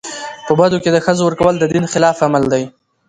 په بدو کي د ښځو ورکول د دین خلاف عمل دی.